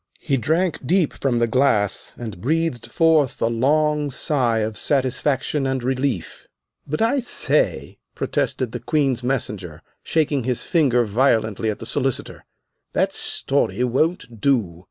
He drank deep from the glass, and breathed forth a long sigh of satisfaction and relief. "But I say," protested the Queen's Messenger, shaking his finger violently at the Solicitor, "that story won't do.